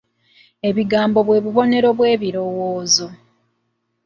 Ebigambo bwe bubonero bw'ebirowoozo.